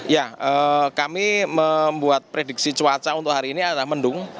ya kami membuat prediksi cuaca untuk hari ini adalah mendung